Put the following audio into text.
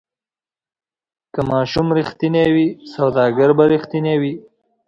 که ماشوم ریښتینی وي سوداګر به ریښتینی وي.